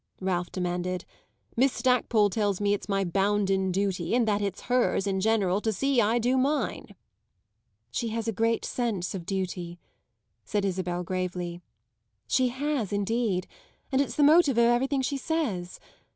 Ralph demanded. "Miss Stackpole tells me it's my bounden duty, and that it's hers, in general, to see I do mine!" "She has a great sense of duty," said Isabel gravely. "She has indeed, and it's the motive of everything she says.